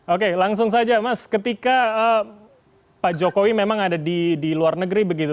oke langsung saja mas ketika pak jokowi memang ada di luar negeri begitu